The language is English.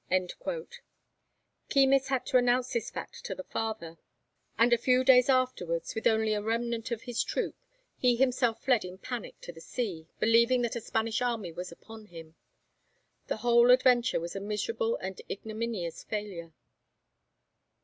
Keymis had to announce this fact to the father, and a few days afterwards, with only a remnant of his troop, he himself fled in panic to the sea, believing that a Spanish army was upon him. The whole adventure was a miserable and ignominious failure.